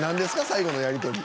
最後のやり取り。